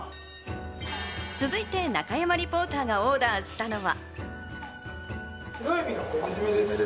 続いて中山リポーターがオーダーしたのは。